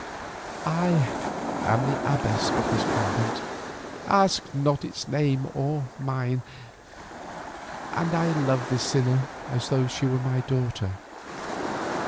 I am the abbess of this convent—ask not its name or mine—and I love this sinner as though she were my daughter.